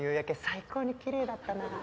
最高にきれいだったなあ。